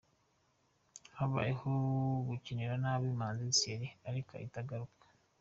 Habayeho gukinira nabi Manzi Thierry ariko ahita ahaguruka.